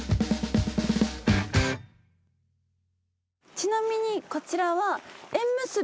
ちなみにこちらは。